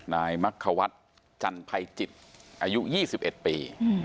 นายมะเขาวัดจันทร์ภัยจิตอายุยี่สิบเอ็ดปีอืม